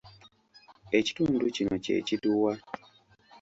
Ekitundu kino kye kiruwa?